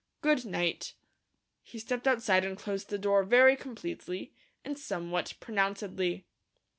Good night!" He stepped outside and closed the door very completely, and somewhat pronouncedly.